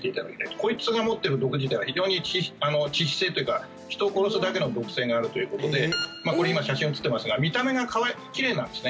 こいつが持っている毒自体は非常に致死性というか人を殺すだけの毒性があるということで今、これ写真が写ってますが見た目が奇麗なんですね。